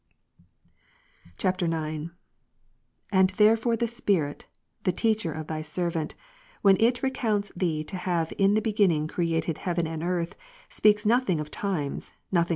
[IX.] 9. And therefore the Spirit, the Teacher of Thy servant '^, when It recounts Thee to have In the Beginning created heaven and earth, speaks nothing of times, nothing.